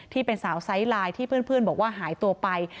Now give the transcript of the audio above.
ที่เป็นสาวไซส์ไลน์ที่เพื่อนบอกว่าหายตัวไป